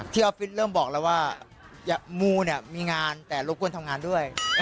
ออฟฟิศเริ่มบอกแล้วว่ามูเนี่ยมีงานแต่รบกวนทำงานด้วย